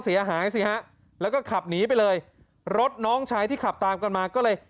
เสียหายสิฮะแล้วก็ขับหนีไปเลยรถน้องชายที่ขับตามกันมาก็เลย